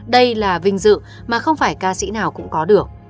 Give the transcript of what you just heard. đây là vinh dự mà không phải ca sĩ nào cũng có được